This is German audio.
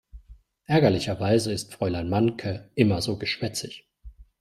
Ärgerlicherweise ist Fräulein Mahnke immer so geschwätzig.